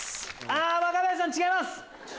若林さん違います。